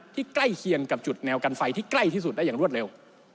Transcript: ใกล้เคียงกับจุดแนวกันไฟที่ใกล้ที่สุดได้อย่างรวดเร็ว